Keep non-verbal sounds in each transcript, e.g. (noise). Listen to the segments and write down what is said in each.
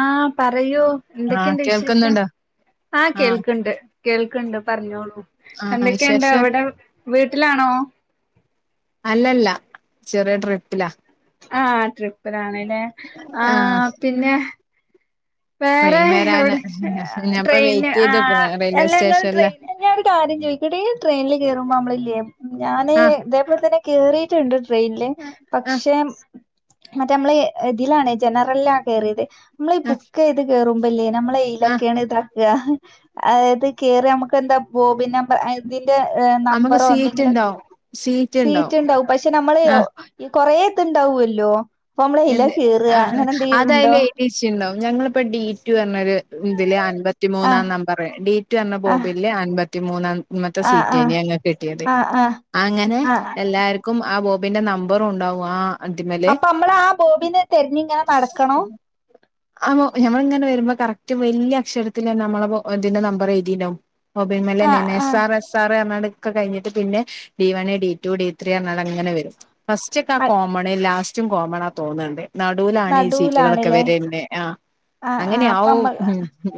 ആ പറയൂ ആഹ് എന്തക്കെണ്ട് വിശേഷം കേൾക്കുന്നുണ്ടോ ആഹ് കേൾക്ക്ണ്ട് കേൾക്ക്ണ്ട് പറഞ്ഞോളൂ ആഹ് എന്തക്കെയുണ്ട് വിശേഷം അവിടെ വീട്ടിലാണോ അല്ലല്ല ചെറിയ ട്രിപ്പിലാ ആഹ് ട്രിപ്പിലാണ്ല്ലേ ആഹ് പിന്നെ വേറെ ട്രെയിൻ വരാന് അവിടെ ഞാൻപ്പ ട്രെയിന് വെയിറ്റ് ചെയ്ത് നിക്കണ് റെയിൽവേ അല്ല നിങ്ങള് സ്റ്റേഷനില് ട്രെന് ഞാൻ ഒരു കാര്യം ചോയ്ക്കട്ട ഈ ട്രെയിനില് കേറുമ്പോ നമ്മളില്ലേ ഞാന് ആഹ് ഇതേപോലെ തന്നെ കേറിട്ട്ണ്ട് ട്രെയിനില് ആഹ് പക്ഷെ മറ്റേ നമ്മള് ഇതിലാണ് ജനറലാ കേറിയത് നമ്മള് ഇ ആഹ് ബുക് ക്കേ ഇത് കേറുമ്പല്ലേ നമ്മളെ ആഹ് എയിലക്കെയാണ് ഇതാക്കാ അതാത് കേറി നമുക്ക് എന്താ ബോബിന അതിന്റെ നമുക്ക് നമ്പറോ സീറ്റ് എന്തെങ്കിലും ഉണ്ടാവും ഉണ്ടാവും സീറ്റ് ഇണ്ടാവും പക്ഷെ നമ്മള് ആഹ് ഈ കൊറെ ഇത്ണ്ടാവുല്ലോ അപ്പ നമ്മള് എയ്ല കേറുക അങ്ങനെ എന്തേലുണ്ടോ (unintelligible) ഇണ്ടാവും ഞങ്ങളിപ്പ ഡേയ്റ്റ് പറഞ്ഞൊര് ഇതില് അമ്പപത്തിമൂന്നാം ആഹ് ന പറയു ഡി റ്റു എന്ന ആഹ് ബോഗൻല് അൻമ്പത്തി മൂന്നാം മത്തെ ആഹ് ആഹ് സീറ്റ്ന്നയാ അങ്ങക്ക് കിട്ടിയത് ആഹ് ആഹ് അങ്ങനെ ആഹ് എല്ലാർ കും ആ ബോബിന്റെ നമ്പറും ഉണ്ടാവും ആ അതിമേലെ നമ്മളാ ബോബിനെ തെരഞ്ഞിങ്ങനെ നടക്കണോ അയ്മോ ഞമ്മളിങ്ങനെ വരുമ്പ കറക്റ്റ് വലിയ അക്ഷരത്തില് നമ്മള ബോ ഇതിന്റെ നമ്പറ് എയ്തിണ്ടാവും മുമ്പേമേലെ ആഹ് നെഎസ് ആർ ആഹ് എസ് ആർ എന്നർഞ്ഞാണ്ട് ക്ക കഴിഞ്ഞിട്ട് പിന്നെ D one D two D three എന്നാണ്ടങ്ങനെ വരും ഫസ്റ്റ്ക്ക കോമ ലാസ്റ്റും കോമണ തോന്ന്ണ്ട് നടുവിലാണ് ഈ സീറ്റുകളൊക്കെ നടൂലാണ്ല്ലേ വര്ണ്ടെ ആഹ് ആഹ് അപ്പ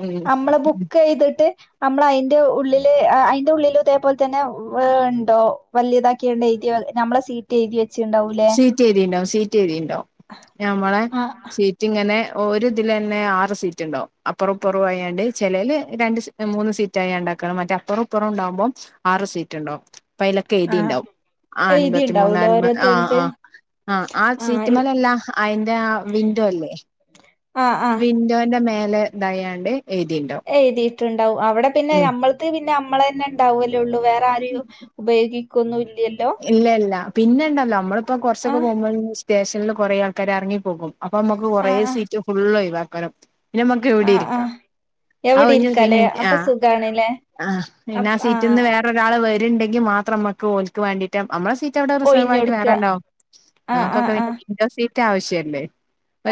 ഉം അമ്മള് ബുക്ക് ചെയ്തിട്ട് നമ്മള് അയിന്റ ഉള്ളില് അയിന്റെ ഉള്ളിലും ഇതേ പോലെ തന്നെ വെ ഇണ്ടോ വലിയതാക്കിയണ്ട് എയ്തി നമ്മളെ സീറ്റ് എയ്തി വെച്ചിണ്ടാവൂലേ സീറ്റ് എയ്തിണ്ടാവും സിറ്റ് എയ്തിണ്ടാവും ഞമ്മളെ ആഹ് സി റ്റ് ഇങ്ങനെ ഒര് ഇതിലന്നെ ആറ് സീറ്റ് ഇണ്ടാവും അപ്പറപ്പുറ ആയാണ്ട് ചിലേല് രണ്ട് സി മൂന്ന് സീറ്റ ആയ ഇണ്ടാക്കണ മറ്റേ അപ്പുറം ഇപ്പുറം ഇണ്ടാവുമ്പോ ആറ് സീറ്റ് ഇണ്ടാവും പയ്ലൊക്കെ ആഹ് എയ്തിണ്ടാവും ആ അൻമ്പത്തിമൂന്നാം എഴുതിണ്ടാവൂലേ നമ്പർ ആഹ് ഓരോരുത്തരത് ആഹ് ആഹ് ആ സീറ്റ് ആഹ് മേലെല്ല അയിന്റ ആ വിൻഡോ അല്ലേ ആഹ് ആഹ് വിൻഡോന്റെ മേലെ ഇതയാണ്ട് എയ്തിണ്ടാവും എയ്തിയിട്ടുണ്ടാവും അവിടെ പിന്നെ ഞമ്മൾത്ത് പിന്നെ നമ്മളന്നെ ഇണ്ടാവുല്ലേള്ളൂ വേറെ ആരെയോ ഉപയോഗിക് ക്കെ ഒന്നും ഇല്ല്യല്ലോ ഇല്ല ഇല്ല പിന്നെ ഇണ്ടല്ലോ നമ്മളിപ്പ കുറച്ചക്കെ ആഹ് പോവുമ്പോള് സ്റ്റേഷനിൽ കുറേ ആൾക്കാര് എറങ്ങിപ്പോകും അപ്പമ്മക്ക് കുറേ ആഹ് ആഹ് സീറ്റ് ഫുള്ള് ഒര് വാക്കലോ പിന്നെ നമക്ക് എവിടെ ആഹ് ഇരിക്കാം ആഹ് ആ എവിടെ ഇരിക്കാലേ പിന്നെ അപ്പൊ ആഹ് സുഖാണ്ല്ലേ ആഹ് പിന്നെ ആ അപ് സീറ്റ്ന്ന് ആഹ് വേറെ ഒരാള് വര്ണ്ടെങ്കി മാത്രം അമ്മക്ക് ഓല്ക്ക് വേണ്ടീട്ട് നമ്മളെ സീ തവിടെ റിസർവ് ആയിട്ട് ഒഴിഞ്ഞൊടുക്ക വേറെ ഇണ്ടാവും ആഹ് നമക്കക്ക ആഹ് ആഹ് വിൻഡോ സീറ്റ് ആവശ്യംല്ലേ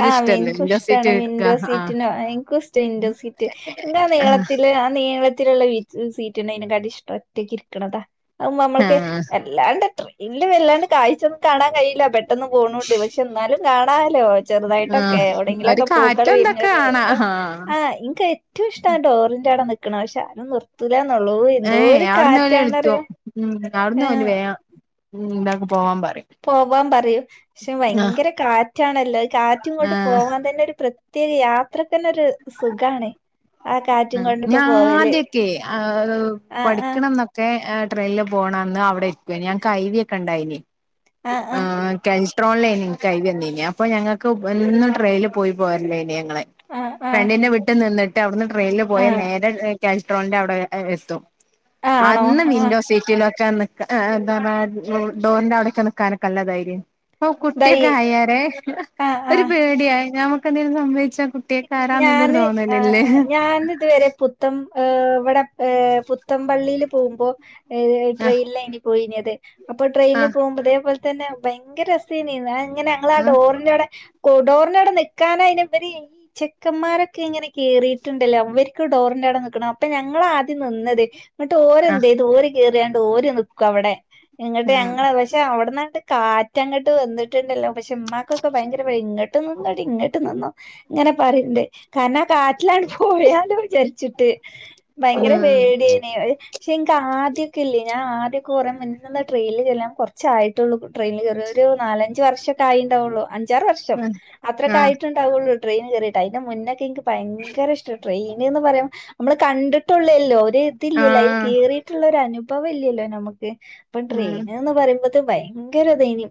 ആഹ് എനിക്ക് ഇഷ്ടാണ് വിൻഡോ ആഹ് സീറ്റിനോ എനിക്കും ഇഷ്ടാ വിൻഡോ സീറ്റ് ന്റ ആഹ് നീളത്തില് ആ നീളത്തിലുള്ള വി സീറ്റ് ഇണ്ടങ്കില് എനക്ക് ഇഷ്ടാ ഒറ്റക്കരിക്കണത അതാവുമ്പ അമ്മൾക്ക് ആഹ് അല്ലാണ്ട് ട്രെയിനില് വല്ലാണ്ട് കായ്ചൊന്നും കാണാൻ കയില്ല പെട്ടെന്ന് പോണോണ്ട് പക്ഷെ എന്നാലും കാണാല്ലോ ചെറുതായിട്ടൊക്കെ ആഹ് ഒരു എവിടെങ്കിലൊക്ക പൂക്കള് കാറ്റും ഇതൊക്കെ വിരിഞ്ഞത് കാണാ ആഹ് ആഹ് ഇ റ്റവും ഇഷ്ടം ആ ഡോറിന്റ അട നിക്കണ പക്ഷേ അവര് നിർ (unintelligible) ഏഹ് എന്തോരു അവിടുന്ന് ഓല് വിളിക്കും കാറ്റാന്നറിയുവോ ഉം അവിടുന്ന് ഓല് ആഹ് വേഗം ഉം ഇതാക്ക് പോവാൻ പറയും പോവാൻ പറയും പക്ഷെ ആഹ് ഭയങ്കര കാറ്റാണല്ലോ കാറ്റും കൊണ്ട് ആഹ് പോവാൻ തന്നെ ഒരു പ്രത്യേക യാത്രക്കന്നെ ഒരു സുഖാണ് ആ കാറ്റും ഉം കൊണ്ടൊക്കെ ഞാൻ പോവല് ആദ്യൊക്കെ ആ ആ പഠിക്കണം എന്നൊക് ക്കെ ട്രെയിനിൽ പോണന്ന് അവ്ടെ ഇരിക്കുവ ഞങ്ങക്ക് കൈവിയൊക്കെ ഉണ്ടായ്നി ആ ആ ആഹ് കെൻസ്ട്രോൺലൈനി ഇൻക് (unintelligible) വന്നീനി അപ്പൊ ഞങ്ങൾക്ക് എന്നും ട്രെയിനിൽ പോയി പോരലയ്നി (unintelligible) ആ ആ ഫ്രണ്ടിന്റെ വീട്ടി നിന്നിട്ട് അവിടുന്ന് ട്രെയിനിൽ ആ പോയാൽ നേരെ കെൻസ്ട്രോളിന്റെ അവിടെ എത്തും. ആ ആണോ അന്ന് ആ വിൻഡോ സീറ്റ് റ്റിലൊക്കെ നിക്കാ എന്താ പറഞ്ഞ ഡോറിന്റെ അവിടെക്കെ നിക്കാനൊക്കെ നല്ല ധൈര്യ അപ്പൊ ദൈ കുട്ടിയൊക്കെ ആയാരെ ആ ആ ഒരു പേടിയായി ഞമ്മക്കെന്തേങ്കിലും സംഭവിച്ചാ കുട് ട്ടികക്കാരാന്നുല്ലൊരു തോന്നലില്ലേ അന്ന് ഇതുവരെ പുത്തം ഇവിടെ പുത്തം പള്ളിയില് പോവുമ്പോ ആഹ് ട്രെയിനിലയ്നി പോയിനത് അപ്പൊ ട്രെയിനിൽ ആഹ് പോകുമ്പോ ഇതേ പോലെ തന്നെ ഭയങ്കര രസയ്നി ഇങ്ങനെ ഞങ്ങളാ ആഹ് ഡോറിന്റവിടെ ഡോറിന്റവിടെ നിക്കാനയ്നിവര് ചെക്കന്മാരൊക്കെ ഇങ്ങനെ കേറിയിട്ടുണ്ടല്ലോ അവർക്ക് ഡോറിന്റവിടെ നിക്കണം. അപ്പൊ ഞങ്ങളാ ആദ്യം നിന്നത് എന്നിട്ട് ഓല് ആഹ് എന്തെയ്തു ഓര് കേറിയാണ്ട് ഓര് നിക്കും അവടെ എന്നിട്ട് ആഹ് ഞങ്ങളെ ഓൽ പക്ഷെ അവിടന്നങ്ങട്ട് കാറ്റങ്ങട്ട് വന്നിട്ടുണ്ടല്ലോ പക്ഷെ ഉമ്മാക്കൊക്കെ ഭയങ്കര (unintelligible) (unintelligible) ഇങ്ങട്ട് നിന്നോ ഇങ്ങനെ പറയിണ്ട് കാരണം ആ കാറ്റിലങ്ങട്ട് പോയാലോ വിചാരിച്ചിട്ട്. ഭയങ്കര ഉം പേടിയണ് ഒരു പക്ഷെ എനിക്ക് ആദ്യൊക്കെല്ലേ ഞാൻ ആദ്യൊക്കെ കുറേ മുന്ന്ന്നാ ട്രെയിനിൽ കേറാ ഞാൻ കൊറച്ചായിട്ടുള്ളൂ ട്രെയിനിൽ കേറണത് ഒരു നാലഞ്ച് വർഷൊക്കെ ആയിണ്ടാവുള്ളൂ അ ഞ്ചാറ് വർഷം ആഹ് അത്രക്കെ ആയിട്ടുണ്ടാവുള്ളൂ ട്രെയിനിൽ കേറിയിട്ട് അയിന്റെ മുന്നൊക്കെ എൻക്ക് ഭയങ്കര ഇഷ്ടാ ട്രെയിന് ന്ന് പറയാൻ നമ്മള് കണ്ടിട്ടുള്ളല്ലോ ആഹ് ഒരിതില്ലല്ലോ അയിൽ ആഹ് കേറിയിട്ടുള്ള ഒരു അനുഭവം ഇല്ലല്ലോ നമുക്ക് അപ്പം ഉം ട്രെയിന് എന്ന് പറയുന്നത് ഭയങ്കരിതേന്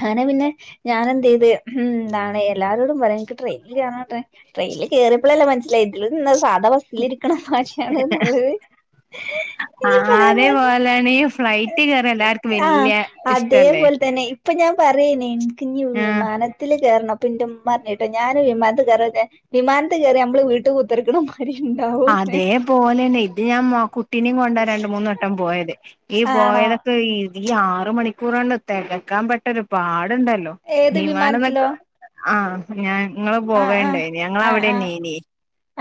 അങ്ങനെ പിന്നെ ഞാനെന്ത് ചെയ്ത് (unintelligible) എല്ലാരോടും പറയും എനിക്ക് ട്രെയിൽ കേറാ (unintelligible) ട്രെയിനിൽ കേറിയപ്പളല്ലേ മനസിലായെ ഇതിലിരുന്നാല് സാധാ ബസ് സ്സിലിരിക്കണ മാരിയാന്ന്ള്ളത്. ആഹ് അതേപോലേണ് ഈ ഫ്ലൈറ്റി കേറിയാ എല്ലാർക്കും ആഹ് വല്യ ഇഷ്ടല്ലേ അതേപോലെ തന്നെ ഇപ്പൊ ഞാൻ പറയ്നി ഇൻക്കിഞ്ഞ് ആ വിമാനത്തില് കേറണം അപ്പെന്റെ ഉമ്മ പറഞ്ഞത് ഞാന് വിമാനത്തി കയറട്ടെ വിമാനത്തി കേറിയാ നമ്മള് വീട്ട് കുത്തിര്ക്കണമാ അതേ പോലെന്നെ ഇത് ഞാൻ കുട്ടീനേം കൊണ്ടാ രണ്ട് മൂന്ന് വട്ടം പോയത്. ഈ ആണോ പോയതൊക്കെ ഇതീ ആറ് മണിക്കൂറങ്ങട്ട് തെകക്കാൻ പെട്ടൊരു പാട്ണ്ടല്ലോ. ഏത് വിമാനംന്നക്ക വിമാനത്തിലോ ആഹ് ഞങ്ങള് ആഹ് ആഹ് പോകേണ്ടായി ആഹ് ആഹ് ഞങ്ങളവിടെന്നെയ്നി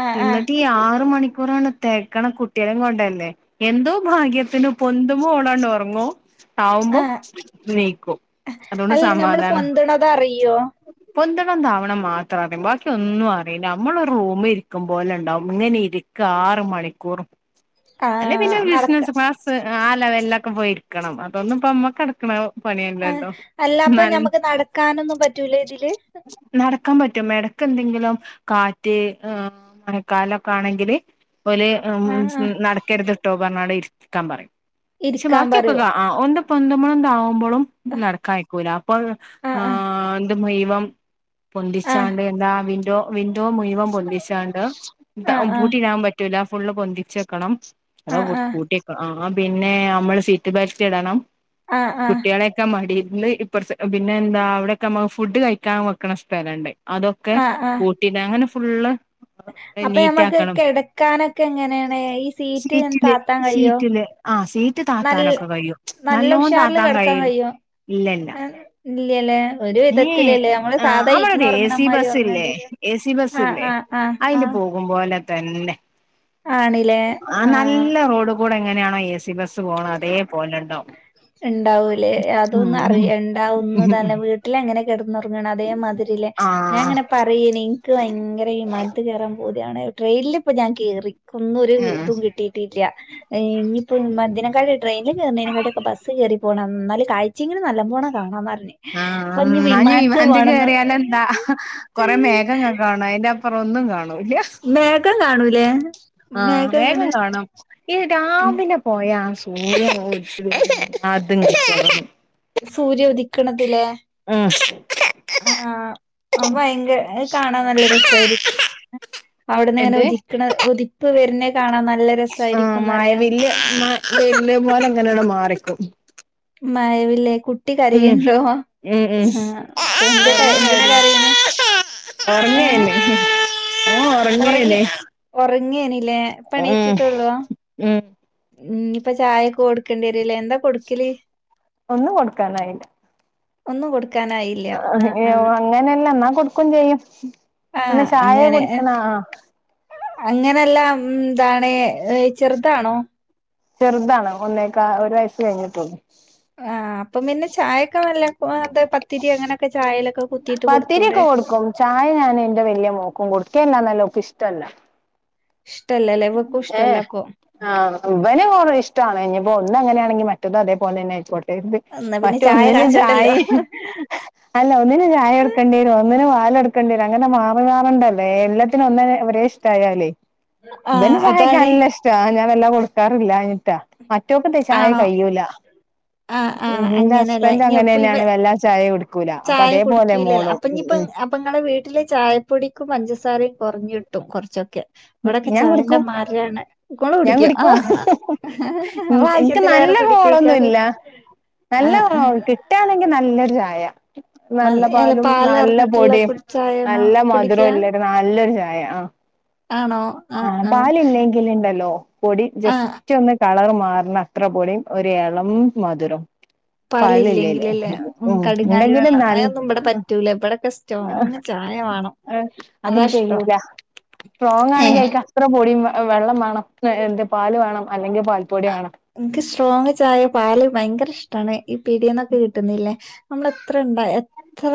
ആഹ് ആഹ് ഇന്നട്ടി ഈ ആറ് മണിക്കൂറങ്ങട്ട് തെകക്കണത് കുട്ടികളേം കൊണ്ടല്ലേ എന്തോ ഭാഗ്യത്തിന് പൊന്തുമ്പോ ഓളങ്ങട്ട് ഒറങ്ങും താവുമ്പോ ആഹ് എനീക്കും അതുകൊണ്ട് അല്ല നമ്മള് സമാധാനാ പൊന്തണത് അറിയോ പൊന്തണം താവണം മാത്രം അറിയും ബാക്കി ഒന്നും അറിയില്ല. നമ്മള് ഒരു റൂമി ഇരിക്കും പോലെ ഉണ്ടാവും ഇങ്ങനെ ഇരിക്കും ആറ് മണിക്കൂറും അല്ലെ ആഹ് പിന്നെ നടക്ക ബിസിനസ്സ് ക്ലാസ് ആ ലെവൽലൊക്കെ പോയിരിക്കണം അതൊന്നുപ്പം നമ്മക്കടക് ക്കടക്കണ ആഹ് പണിയല്ലല്ലോ അല്ല അപ്പൊ (unintelligible) ഞമ്മക്ക് നടക്കാനൊന്നും പറ്റൂല ഇതില് നടക്കാൻ പറ്റും ഇടക്കെന്തെങ്കിലും കാറ്റ് കാലൊക്കെ ആണെങ്കില് ഓല് ഉം ആഹ് ആഹ് നടക്കരുത്ട്ടോ പറഞ്ഞവിടെ ഇരിക്കാൻ പറയും. പക്ഷെ ഇരിക്കാൻ ബാക്കിഒക്കെ പറയോ ആ ഒന്ന് പൊന്തുമ്പളും താവും മ്പളും നടക്കായിക്കൂല അപ്പൊ ആഹ് ഇത് മുയ്വം ആഹ് പൊന്തിച്ചാണ്ട് എന്താ വിൻഡോ വിൻഡോ മുഴുവം പൊന്തിച്ചാണ്ട് ആഹ് ആഹ് പൂട്ടിടാൻ പറ്റ റ്റൂലഫുള്ള് പൊന്തിച്ചെക്കണം ആഹ് അതവാ ആഹ് പൂട്ടി ആഹ് പിന്നെ നമ്മള് സീറ്റ് ബെൽറ്റ് ഇടണം ആഹ് ആഹ് ആഹ് കുട്ടികളെ ക്കെ മടീന്ന് ഇപ്പ പിന്നെ എന്താ അവിടെക്കെ നമ്മ ഫുഡ് കഴിക്കാൻ വെക്കണ സ്ഥലണ്ട് അതൊക്കെ ആഹ് ആഹ് കൂട്ടിടാങ്ങനെ ഫുള്ള് അപ്പൊ നീറ്റ് ഞമ്മക്ക് ആക്കണം കെടക്കാനൊക്കെ എങ്ങനെയാണ് ഈ സീറ്റ് എ താത്താൻ കഴിയോ ആഹ് സീറ്റ് നല്ല താത്താനൊക്കെ കയ്യും നല്ല നല്ലോം ഉഷാറില് താത്താൻ കയി കെടക്കാൻ കഴിയോ ഇല്ലല്ല ഏ, ഇല്ലല്ലേ ഒരു ഏ വിധത്തിലല്ലേ നമ്മള് സാധാ ഇരുന്ന് അമ്മളതേ സി ഒറങ്ങണമാതിരി ബസ്സ്ല്ലേ ഒറങ്ങേണ്ടി വരും എ സി ബസ് ആഹ് ല്ലേ ആഹ് ആഹ് അയില് പോകുമ്പോലെ തന്നെ ആണിലേ ആ നല്ല റോഡ് കൂടെ എങ്ങനെയാണോ എ സി ബസ് ഉണ്ടാവൂലേ ഉം അതൊന്നും ഉം അറിയ ണ്ടാഉമ്മു ഉം തന്നെ വീട്ട് ട്ടിലങ്ങനെ കെടന്നുറങ്ങണം അതേമാതിരിലെ ആഹ് ഞാൻങ്ങനെ പറയനേ ക്ക്ഭയങ്കരവിമാനത്ത് കേറപൂതിയാവുണ്‌ ട്രെയിനിൽ പ്പോ ഞാൻ കേറിക്ന്നോ രു ഉം ഇതും കിട്ടി ട്ടില്ല ഇനിയിപ്പ മതിനേക്കാളും ട്രെയി നിൽ കേർണക്കാട്ടിയൊക്കെ ബസ്സ് കേറി പോണം ഉം ന്നാല് കാഴ്ചെങ്ങിലും നല്ല ബോണെ കാണാന്നറീഞ്ഞ് ആഹ് ആന്നാഞ്ഞ് വിമാൻത്ത് കേറിയാലെന്താ കൊറെ മേഘങ്ങൾകാണും അയിന്റെഅപ് പറൊന്നും കാണൂല്ല മേഘം കാണൂലേ ആഹ് മേഘം കാണും ഈ ഉം, രാവിലെ പോയ (unintelligible) സൂര്യ ഉദിക്കണതിലേ ഉം ആഹ് ആ ഭയങ്ക ആഹ് കാണാൻ നല്ല രസായിരിക്കും അവിടുന്ന്ങ്ങനെ എന്ത് ഉദക്കണേ ഉതിപ്പ് വരുന്നേ കാണാ നല്ല ആ രസായിരിക്കുംന്നറിയാം മഴവില്ല് മ വില്ല് പോലെ ങ്ങനെര് മാറിക്കും മഴവില്ലെ കു കുട്ടി ഉം കരയുണ്ടോ ഉം ഉം ഹ്‌ കൊണ്ട് കാ എന്തിനാ കരീണേ ഒരങ്ങേ നെഹ് ഓൻ ഉറങ്ങേനെ ഒറങ്ങേനിലേ ഉം ഉം ഉം ഞ്ഞിപ്പൊചായയൊക്കെ കൊടുക്കേണ്ടരുംലേ എന്താ കൊടുക്കല് ഒന്നും കൊടുക്കാനായില്ല ഒന്നു കൊടുക്കാനായി ഏഹ് അങ്ങനെല്ല എന്നാ കൊടുക്കയും ചെയ്യും പിന്നെ ചായ കുടിക്കണ ആഹ് അങ്ങനെല്ലാം ന്താണ് ചെറുതാണോ ചെറുതാണ് ഒന്നേക്ക ഒരു വയസ്സ് കഴിഞ്ഞിട്ടുള്ളൂ ആഹ് അപ്പം പിന്നെ ചായൊക്കെ വല്ല അത് പത്തിരിയൊ അങ്ങനെയൊക്കെ ചായലൊക്കെ കുത്തിട്ട് കൊടുത്തൂടെ പത്തിരിയൊക്കെ കൊടുക്കും ചായ ഞാൻ എന്റ വലിയ മോക്കും കൊടുക്കല്ലാന്നെല്ല ഓക്ക്ഷ്ടല്ല ഇഷ്ടല്ലലേ ഇവക്കും ഇഷ്ടല്ല അപ്പൊ ആ ഇവനും കുറെ ഇഷ്ടാണ് ഇനിയിപ്പോ ഒന്നങ്ങനെയാണെങ്കി മറ്റേതതേപോലെ തന്നെ ആയിക്കോ എന്നാ പിന്നെ മറ്റ് ചായ ഒന്നിന് കാച്ചണ്ടല്ലോ ചായേം അല്ല ഒന്നിന് ചായ എടുക്കേണ്ടി വരും ഒന്നിന് പാല് എടുക്കേണ്ടി വരും അങ്ങനെ മാറി മാറേണ്ടല്ലോ എല്ലാത്തിനും ഒന്നന്നെ യാലേ ഇബന് ആഹ് ചായെക്കാ അതാണ് നല്ല ഇഷ്ട്ട ഞാൻ വല്ലാതെകൊടുക്കാറില്ലാഞ്ഞിട്ടാ മറ്റോക്കെന്താ ചായ ആണോ കയൂല ആഹ് ആഹ് ന്റെ അങ്ങനെല്ലേ ഹസ്ബൻറ് ഇനി അങ്ങനെ അപ്പൊ തന്നെ ഇവ ആണ് വല്ലാ ചയ കുടിക്കണത് ല അപ്പോൾ അതെ പോലെ മോളും ഉം ഇപ്പ ങ്ങളെ വീട്ടില് ചായപ്പൊടിക്കും പഞ്ചസാരയും കൊറഞ്ഞിട്ടും കൊ റച്ചൊക്കെ ഉം ഇവിടൊക്കെ ഞാൻ ചായന്റെ കുടിക്കും മരണ് മോൾ കുടിക്കോ ആഹ എൻക്ക് നല്ല കോളോന്നുല്ല നല്ല ആഹ് കാൾ ആഹ് ഓൾക് ട്ടാണെങ്കിൽ നല്ലൊരു ചായ നല്ല അല്ല പാലും നല്ല പാലർന്നിട്ടുള്ള പൊടിയും കുടി ചായയാണോ നല്ല കുടിക്ക മധുരള്ളൊരു നല്ലൊരു ചായ ആഹ ആണോ ആഹ് ആഹ ആഹ് പാല് ഇല്ലെങ്കിൽ ഇണ്ടല്ലോ പൊടി ജസ്സ് ആഹ് ചൊന്ന് ‌ ഒന്ന് കളർ മാറണ അത്ര പൊടി ഒരു എളം മധുരം പാല് ഇല്ലേല്ലേ പാലില്ലെങ്കിലല്ലേ ഉം ഉ കടുങ്ങാലി ഉണ്ടെങ്കില് വെള്ളം നല്ല അതൊന്നും ഇവിടെ പറ്റൂല ഇവിടൊക്കെ (inaudible) ആഹ സ്ട്രോങ് ചായ വേണം ഏ അതാ അതിനി ഇഷ്ടം കയൂല സ്ട്രോങ് ആണെങ്കി അയിക്കാം എത്ര പൊടിയും വെള്ളം വേണം എന്ത് പാല് വേണം അല്ലെങ്കിൽ പാൽ പൊടി വേണം ഇക്ക് സ്ട്രോങ്ങ് ചായ പാല് ഭയങ്കര ഇഷ്ടാണ് ഈ പീഡിയെന്ന് ഒക്കെ കിട്ടുന്ന് ഇല്ലേ നമ്മള് എത്ര ഇണ്ട എത്ര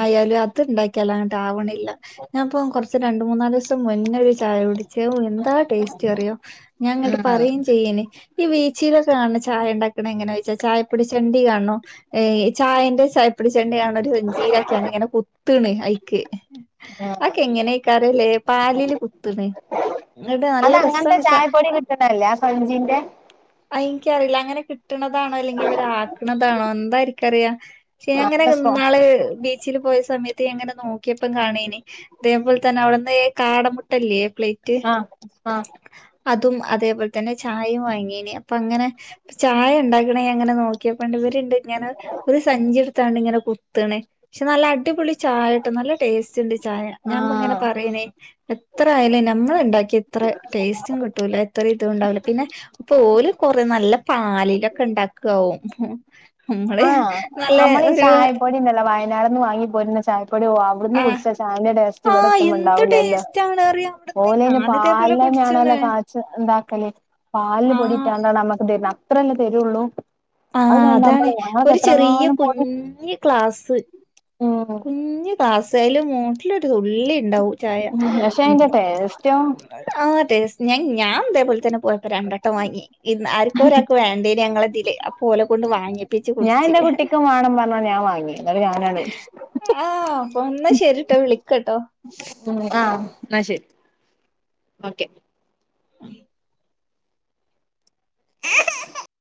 ആയാലും അത് ഇണ്ടാക്കിയാല് അങ്ങട്ട് ആവണില്ല ഞാൻ ഇപ്പം കൊറച്ച് രണ്ട് മൂന്നാല് ദിവസം മുന്നേരു ചായ കുടിച്ച് വോ എന്താ ടേസ്റ്റ് അറിയോ ഞാ അങ്ങാട്ട് ആഹ് പറയേം ഇന്നേ ഈ ബീച്ചില് ഒക്കെ കാണ ചായ എണ്ടാക്കണ എങ്ങനെ വെച്ച ചായപ്പൊടി ചെണ്ടി കാണോ ഏ ചായന്റെ ചായപ്പൊടി ച്ചെണ്ണി കാണണം ഒരുഞ്ചീര് ഒക്കെ ആണ് ഇങ്ങനെ കുത്തണ് അയിക്ക് ആഹ് ആക്കെ എങ്ങനെ എക്കാറ് ഇല്ലേ പാലില് കുത്തണ് എന്നട്ട് നല്ല രസ മസ കേന്ന ഇല്ലേ ആ സഞ്ജിന്റെ അയിക്ക് അറിയില്ല അങ്ങനെ കിട്ടണത് ആണോ അല്ലെങ്കിൽ ഇവർ ആക്കണത് ആണോ എന്തായിരിക്കും അറിയാ ക്ഷേ അങ്ങനെ നല്ല സോ ഇന്നാള് വീ ചില് പോയ സമയത്ത് എങ്ങനെ നോക്കിയപ്പം കാണീനി അതേപോലെ തന്നെ അവിടുന്ന് കാട മു ട്ടല്ലേ പ്ലേറ്റ് ആഹ് ആഹ് അതും അതേപോലെ തന്നെ ചായയും വാങ്ങീനേ അപ്പ അങ്ങനെ ചായ എണ്ടാക്കണ അങ്ങനെ നോക്കി അപ്പ എണ്ട് ഒര് ഇത് ഇങ്ങനെ ഒരു സഞ്ചി എടുത്താണ്ട് ഇങ്ങനെ കുത്തണ് പക്ഷേ നല്ല അടിപൊളി ചായട്ടോ നല്ല ടേസ്റ്റ് എണ്ട് ചായ ഞാൻ അപ്പോൾ ഇങ്ങനെ ആഹ് പറയണേ എത്ര ആയാലും നമ്മള് എണ്ടാക്കിയ എത്ര ടേസ്റ്റും കിട്ടൂല എത്ര ത് ഉണ്ടാവില്ല പിന്നെ പോല് കൊറെ നല്ല പാലില് ഒക്കെ എണ്ടാക്കവും ഉം ആഹ അമ്മളീ ഈ ചായ പൊടി ഇണ്ട് അല്ലോ വ നേള് എന്ന് വാങ്ങി പൊരുന്ന ചായപ്പൊടിയോ അവിടുന്ന് ആ കുടിച്ച ചായൻന്റെ ടേസ്റ്റ് ആ ഇവിടെ എത്തുമ്പ എന്ത് എണ്ടാവില്ല അല്ലോ ടേസ്റ്റ് ആണ് അറിയ അവിടുന്ന് പോലെന് ഞാനിതേപോലെ പാല അന്നെ ആണല്ലോ കുടിച്ചണ് കാച്ച് എന്താക്കല് പാലില് ആ പൊടി ഇട്ടോണ്ട് നമ്മക്ക് ദെരുന്ന അത്രല്ലേ തെരുള്ളൂ ആഹ അതാണ് ഒരു ചെറിയ പൊടി കുഞ്ഞി ക്ലാസ് ഉം കുഞ്ഞി ക്ലാസ് അയില് മൂട്ടില് ഒരു തുള്ളി എണ്ടാവു ചായ ഉ ടെസ്റ്റ്‌ ഓ ആഹ അതെ ഞ ഞാൻ ഇതേ പോലെ തന്നെ പോയപ്പോ രണ്ടട്ടം വാങ്ങി ഇ ആർക്കും ഒരാക്കെ വേണ്ടേന് ഞങ്ങളതില് ഓല കൊണ്ട് വാങ്ങിപ്പിച്ച് ഞാൻ കുടിച്ച് എന്റെ കുട്ടിക്കും വേണം പറഞ്ഞോണ്ട് ഞാൻ വാങ്ങി എന്നിട്ട് ഞാനാണ്ട് കുടിച്ച് ആഹ് അപ്പം എന്ന ശരിട്ടോ വിളിക്കട്ടോ ആഹ ആഹ ശരി ഓക്കേ അ (inaudible)